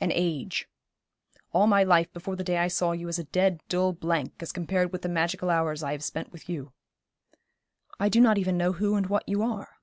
'An age. All my life before the day I saw you is a dead, dull blank as compared with the magical hours I have spent with you.' 'I do not even know who and what you are.'